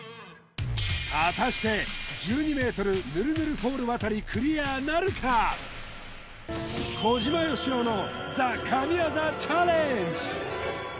果たして１２ｍぬるぬるポール渡りクリアなるか小島よしおのＴＨＥ神業チャレンジ